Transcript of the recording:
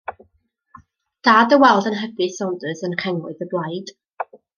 Da dy weld yn hybu Saunders yn rhengoedd y Blaid.